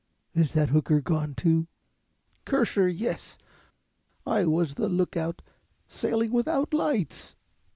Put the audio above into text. "Is that hooker gone, too?" "Curse her, yes. I was the lookout. Sailing without lights."